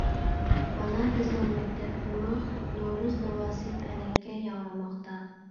مانا بىزنىڭ مەكتەپتىمۇ نورۇز ناۋاسى پەلەككە ياڭرىماقتا ئىدى.